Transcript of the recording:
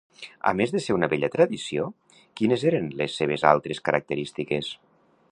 A més de ser una vella tradició, quines eren les seves altres característiques?